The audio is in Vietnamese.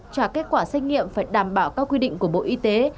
trả kết quả xét nghiệm phải đảm bảo các quy định của bộ y tế